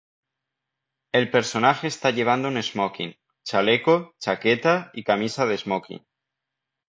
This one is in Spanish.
Él personaje está llevando un smoking, chaleco, chaqueta y camisa de esmoquin.